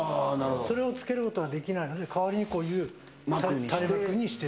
それをつけることができないので、代わりにこういう幕にして。